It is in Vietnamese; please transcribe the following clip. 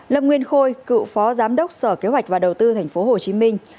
lâm nguyên khôi cựu phó giám đốc sở kế hoạch và đầu tư tp hcm